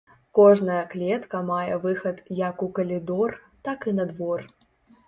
Кожная клетка мае выхад як у калідор, так і на двор.